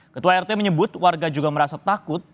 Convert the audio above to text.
ketua rt menyebut warga juga merasa takut